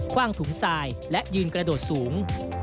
ว่างถุงทรายและยืนกระโดดสูง